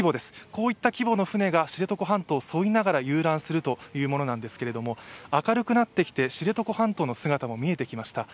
こういった規模の船が知床半島を沿いながら遊覧するんですが、明るくなってきて知床半島も見えてきました。